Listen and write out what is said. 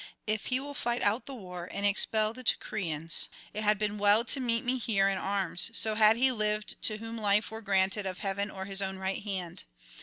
If he will fight out the war and expel the Teucrians, it had been well to meet me here in arms; so had he lived to whom life were granted of heaven or his own right hand.